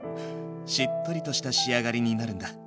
しっとりとした仕上がりになるんだ。